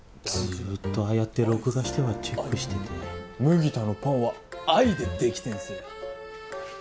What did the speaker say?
ずーっとああやって録画してはチェックしてて麦田のパンは愛でできてんすよ